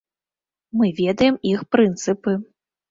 Мы ведаем іх прынцыпы.